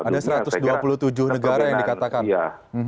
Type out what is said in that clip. ada satu ratus dua puluh tujuh negara yang dikatakan